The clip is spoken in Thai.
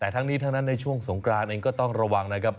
แต่ทั้งนี้ทั้งนั้นในช่วงสงกรานเองก็ต้องระวังนะครับ